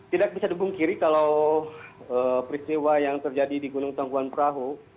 tidak bisa dukung kiri kalau peristiwa yang terjadi di gunung tangkuban parahu